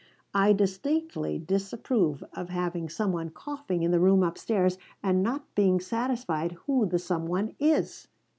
"I distinctly disapprove of having some one coughing in the room upstairs and not being satisfied who the some one is!"